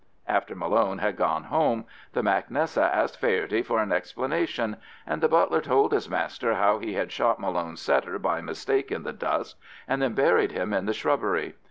After Malone had gone home, the mac Nessa asked Faherty for an explanation, and the butler told his master how he had shot Malone's setter by mistake in the dusk, and then buried him in the shrubbery.